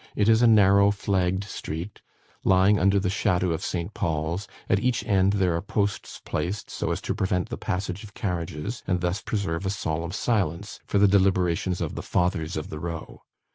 It is a narrow flagged street, lying under the shadow of St. Paul's; at each end there are posts placed, so as to prevent the passage of carriages, and thus preserve a solemn silence for the deliberations of the "Fathers of the Row."